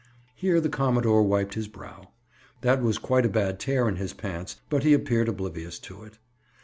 Here the commodore wiped his brow. That was quite a bad tear in his pants but he appeared oblivious to it.